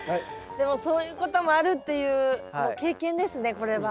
でもそういうこともあるっていうもう経験ですねこれは。